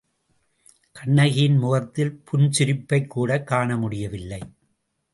கண்ணகியின் முகத்தில் புன்சிரிப்பைக்கூடக் காணமுடியவில்லை.